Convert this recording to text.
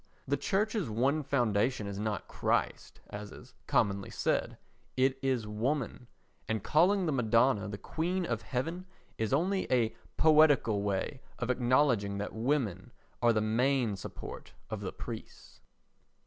The Church's one foundation is not Christ, as is commonly said, it is woman; and calling the Madonna the Queen of Heaven is only a poetical way of acknowledging that women are the main support of the priests.